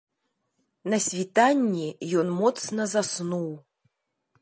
На світанні ён моцна заснуў.